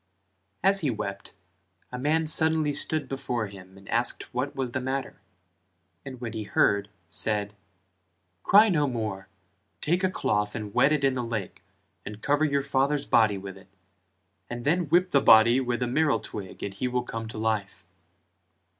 As he wept a man suddenly stood before him and asked what was the matter, and when he heard, said "Cry no more: take a cloth and wet it in the lake and cover your father's body with it: and then whip the body with a meral twig and he will come to life."